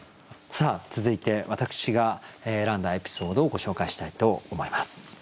さあ続いて私が選んだエピソードをご紹介したいと思います。